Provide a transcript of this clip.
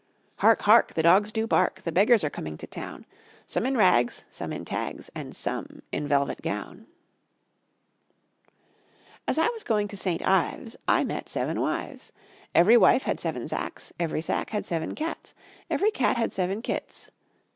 Hark! Hark! The dogs do bark, The beggars are coming to town; Some in rags, Some in tags, And some in velvet gown. As I was going to St. Ives I met seven wives. Every wife had seven sacks, Every sack had seven cats, Every cat had seven kits.